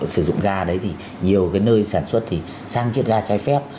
sử dụng ga đấy thì nhiều cái nơi sản xuất thì sang chiếc ga cháy phép